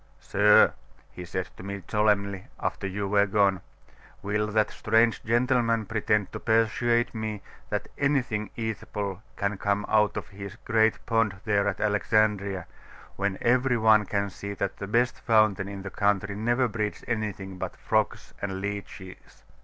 "Sir," he said to me solemnly, after you were gone, "will that strange gentleman pretend to persuade me that anything eatable can come out of his great pond there at Alexandria, when every one can see that the best fountain in the country never breeds anything but frogs and leeches?"